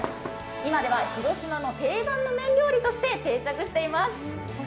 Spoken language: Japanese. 今では広島の定番の麺料理として定着しています。